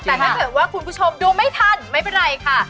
แต่ถ้าเกิดว่าคุณผู้ชมดูไม่ทันไม่เป็นไรค่ะ